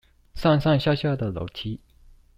上上下下的樓梯